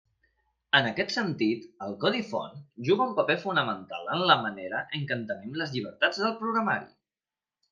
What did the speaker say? En aquest sentit, el codi font juga un paper fonamental en la manera en què entenem les llibertats del programari.